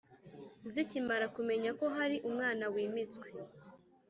Zikimara kumenya ko hari umwana wimitswe